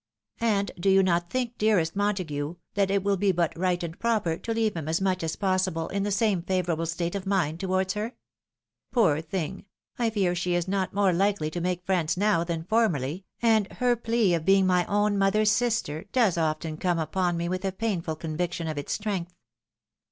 And do you not think, dearest Montague, that it will be but right and proper to leave him as much as possible in the same favourable state of mind towards her? Poor thing! I fear she is not more likely to make friends now, than formerly, and her plea of being my own . mother's sister does often come upon me with a painful convic tion of its strength